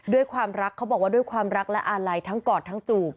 ด้วยความรักเขาบอกว่าด้วยความรักและอาลัยทั้งกอดทั้งจูบ